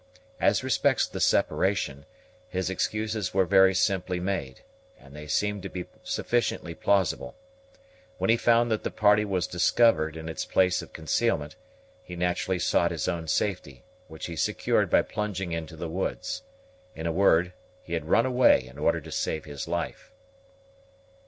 As respects the separation, his excuses were very simply made, and they seemed to be sufficiently plausible. When he found that the party was discovered in its place of concealment, he naturally sought his own safety, which he secured by plunging into the woods. In a word, he had run away in order to save his life.